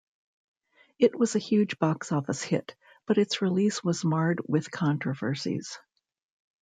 It was a huge box office hit, but its release was marred with controversies.